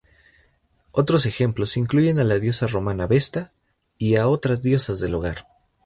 Otros ejemplos incluyen la diosa romana Vesta, y a otras diosas del hogar.